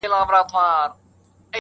ګل او سپوږمۍ جمال لري